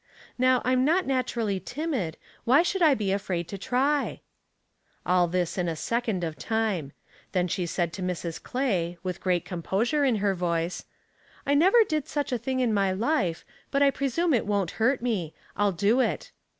Now I'm not naturally timid, why should I be afraid to try ?" All this in a second of time ; then she said to Mrs. Clay, with great composure in her voice, " I never did such a thing in my life ; but I presume it won't hurt me. I'll do it."